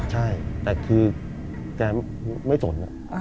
ใช่แต่คือแกไม่สน